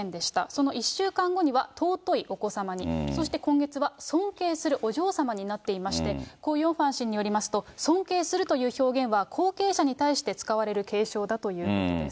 その１週間後には尊いお子様に、そして今月は尊敬するお嬢様になっていまして、コ・ヨンファ氏によりますと、尊敬するという表現は、後継者に対して使われる敬称だということです。